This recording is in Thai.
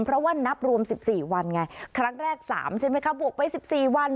เพราะว่านับรวม๑๔วันไงครั้งแรก๓ใช่ไหมคะบวกไป๑๔วัน